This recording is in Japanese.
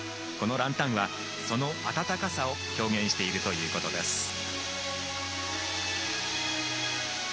このランタンはその温かさを表現しているということです。